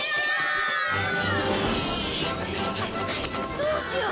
どうしよう。